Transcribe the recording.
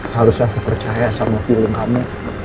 harusnya aku percaya sama film kamu